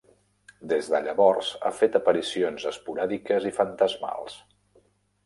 Des de llavors, ha fet aparicions esporàdiques i fantasmals.